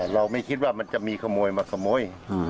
เราไม่คิดว่ามันจะมีขโมยมาขโมย